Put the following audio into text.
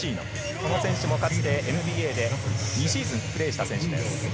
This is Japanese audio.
この選手もかつてＮＢＡで２シーズンプレーした選手です。